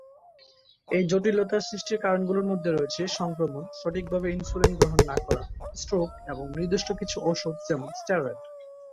এই জটিলতার সৃষ্টির কারণগুলোর মধ্যে রয়েছে সংক্রমণ, সঠিকভাবে ইনসুলিন গ্রহণ না করা, স্ট্রোক, এবং নির্দিষ্ট কিছু ওষুধ, যেমন স্টেরয়েড।